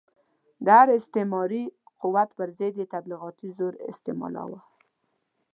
د هر استعماري قوت پر ضد یې تبلیغاتي زور استعمالاوه.